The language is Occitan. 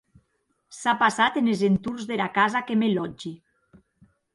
S’a passat enes entorns dera casa que me lòtgi.